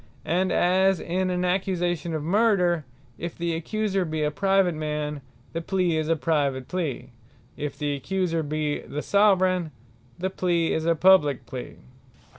As in an Accusation of Murder, if the accuser be a Private man, the plea is a Private plea; if the accuser be the Soveraign, the plea is a Publique plea.